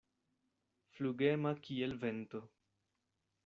Flugema kiel vento.